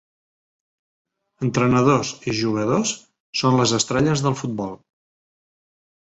Entrenadors i jugadors són les estrelles del futbol.